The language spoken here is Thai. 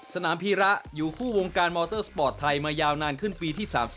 พีระอยู่คู่วงการมอเตอร์สปอร์ตไทยมายาวนานขึ้นปีที่๓๐